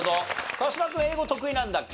川島君英語得意なんだっけ？